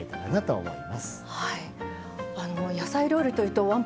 はい。